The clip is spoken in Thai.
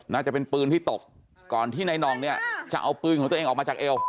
น่าจะเป็นปืนที่ตกก่อนที่นายน่องเนี่ยจะเอาปืนของตัวเองออกมาจากเอว